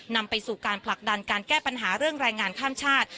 นำไปสู่การผลักดันการแก้ปัญหาเรื่องแรงงานข้ามชาติ